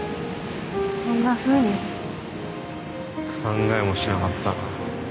そんなふうに考えもしなかったな